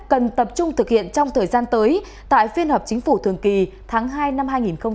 cần tập trung thực hiện trong thời gian tới tại phiên hợp chính phủ thường kỳ tháng hai năm hai nghìn một mươi sáu